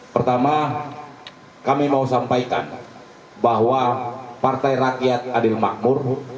pertama kami mau sampaikan bahwa partai rakyat adil makmur